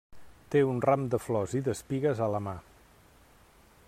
Té un ram de flors i d'espigues a la mà.